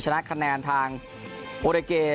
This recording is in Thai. ชนะคะแนนทางโอเรเก